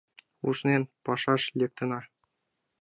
Ушнен, пашаш лектына